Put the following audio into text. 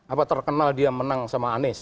apa terkenal dia menang sama anies